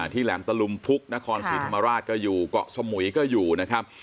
แหลมตะลุมพุกนครศรีธรรมราชก็อยู่เกาะสมุยก็อยู่นะครับ